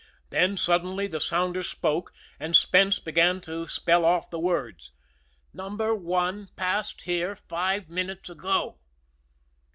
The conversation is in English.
Then, suddenly, the sounder broke, and Spence began to spell off the words. "Number One passed here five minutes ago."